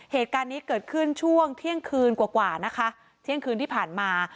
เหตุการณ์นี้เกิดขึ้นช่วงเที่ยงคืนกว่ากว่านะคะเที่ยงคืนที่ผ่านมา